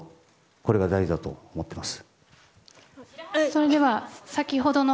これが大事だと思っています。